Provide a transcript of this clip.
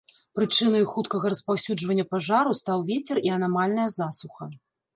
Прычынаю хуткага распаўсюджвання пажару стаў вецер і анамальная засуха.